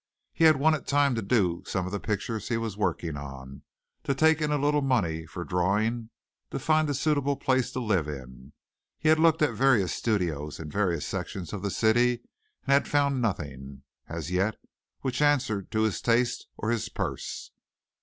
He had wanted time to do some of the pictures he was working on, to take in a little money for drawing, to find a suitable place to live in. He had looked at various studios in various sections of the city and had found nothing, as yet, which answered to his taste or his purse.